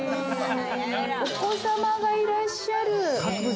お子様がいらっしゃる。